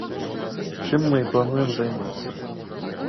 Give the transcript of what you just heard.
Чым мы і плануем займацца.